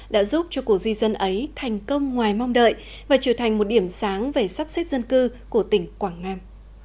đã giúp cho cuộc di dân ấy thành công ngoài mong đợi và trở thành một điểm sáng về sắp xếp dân cư của tỉnh quảng nam